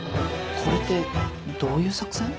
これってどういう作戦？